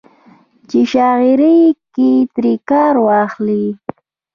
چې شاعرۍ کښې ترې کار واخلي